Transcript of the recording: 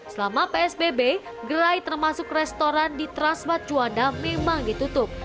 selama psbb gerai termasuk restoran di transmart juanda memang ditutup